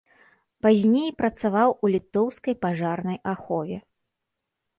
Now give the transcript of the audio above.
Пазней працаваў у літоўскай пажарнай ахове.